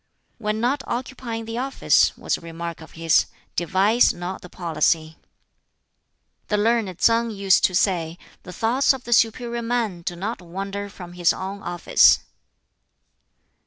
"When not occupying the office," was a remark of his, "devise not the policy." The Learned Tsang used to say, "The thoughts of the 'superior man' do not wander from his own office."